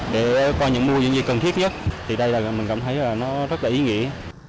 để coi những mô hình gì cần thiết nhất thì đây là mình cảm thấy là nó rất là ý nghĩa